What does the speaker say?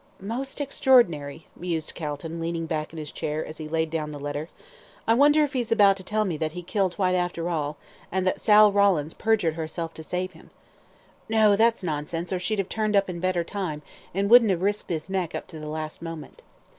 "Most extraordinary," mused Calton, leaning back in his chair, as he laid down the letter. "I wonder if he's about to tell me that he killed Whyte after all, and that Sal Rawlins perjured herself to save him! No, that's nonsense, or she'd have turned up in better time, and wouldn't have risked his neck up to the last moment.